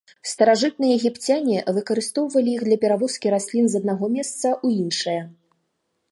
Старажытныя егіпцяне выкарыстоўвалі іх для перавозкі раслін з аднаго месца ў іншае.